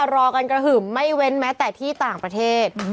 รอกันกระหึ่มไม่เว้นแม้แต่ที่ต่างประเทศ